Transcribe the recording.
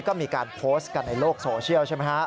ก็มีการโพสต์กันในโลกโซเชียลใช่ไหมฮะ